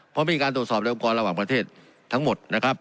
เพราะมีการตรวจสอบในองค์กรระหว่างประเทศทั้งหมดนะครับ